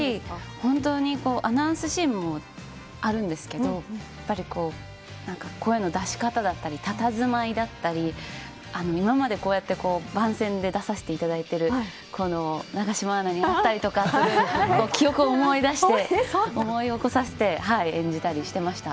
本当にアナウンスシーンもあるんですけどやっぱり声の出し方だったりたたずまいだったり今までこうやって番宣で出させいただいている永島アナに聞いたりとか記憶を思い出して思い起こさせて演じたりしていました。